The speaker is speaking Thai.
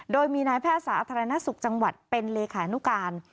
โดยมีนายแพทย์สาธารณสุขจังหวัดเป็นเลขานุการ